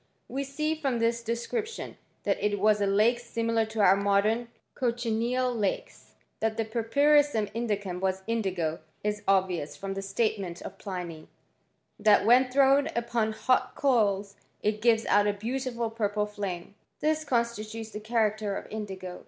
We see, from this description, that it was^ lake similar to our modem cochineal lakes.* tr That the purpurissum indicum was indigo is ok vious from the statement of Pliny, that when thiuwj upon hot coals it gives out a beautiful purple flanMi This constitutes the character of indigo.